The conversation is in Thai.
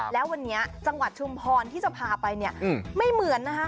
แล้ววันนี้จังหวัดชุมพรที่จะพาไปเนี่ยไม่เหมือนนะคะ